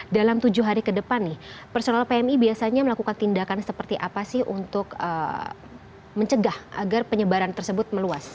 dalam tujuh hari ke depan nih personal pmi biasanya melakukan tindakan seperti apa sih untuk mencegah agar penyebaran tersebut meluas